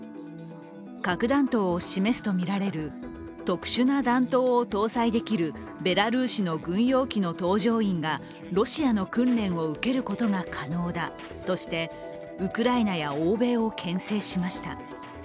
核弾頭を示すとみられる特殊な弾頭を搭載できるベラルーシの軍用機の搭乗員がロシアの訓練を受けることが可能だとしてウクライナや欧米をけん制しました。